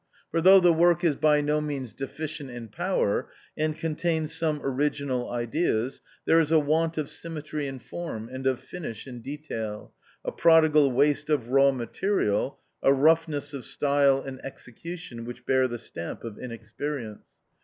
For though the work is by no means deficient in power, and contains some original ideas, there is a want of symmetry in form, and of finish in detail, a prodigal tvaste of raw material, a roughness of style and execution which bear the stamp of in experience.